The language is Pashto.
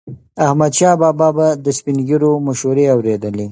احمدشاه بابا به د سپین ږیرو مشورې اورېدلي.